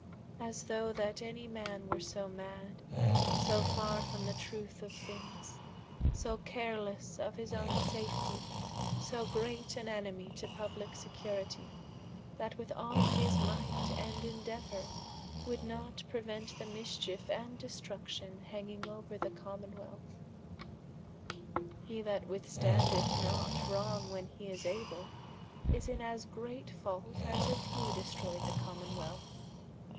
As though that any man were so madde, so farre from the trueth of things, so carelesse of his owne safetie, so great an enemie to publike securitie, that with all his might and indeuour, would not preuent the mischiefe and destruction hanging ouer the Commonwealth. He that withstandeth not wrong when hee is able, is in as great fault, as if he destroyed the Commonwealth.